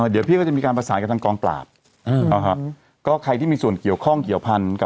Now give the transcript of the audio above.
ได้ไปยื่นเอกสารอะไรเรียบร้อยแล้วเนี่ย